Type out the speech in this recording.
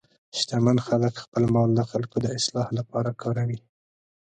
شتمن خلک خپل مال د خلکو د اصلاح لپاره کاروي.